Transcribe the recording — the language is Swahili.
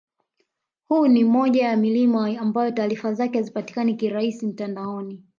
Huu ni moja ya milima ambayo taarifa zake hazipatikani kirahisi mtandaoni